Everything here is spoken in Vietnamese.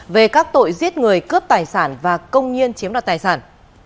về các tội giết người cướp tài sản và công nhiên chiếm đoạt tài sản